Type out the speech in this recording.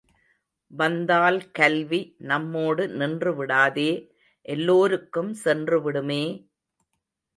வந்தால் கல்வி நம்மோடு நின்று விடாதே எல்லோருக்கும் சென்று விடுமே!